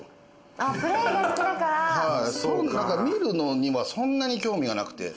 見るのにはそんなに興味がなくて。